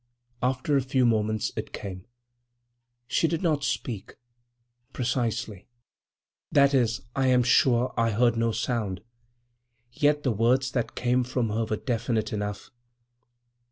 After a few moments it came. She did not speak, precisely. That is, I am sure I heard no sound. Yet the words that came from her were definite enough.